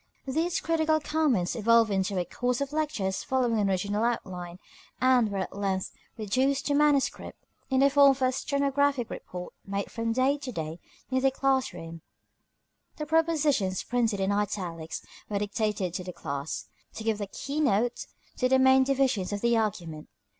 These critical comments evolved into a course of lectures following an original outline, and were at length reduced to manuscript in the form of a stenographic report made from day to day in the class room. The propositions printed in italics were dictated to the class, to give the key note to the main divisions of the argument.